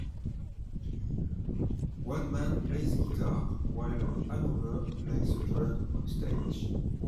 One man plays guitar while another plays the drums on a stage.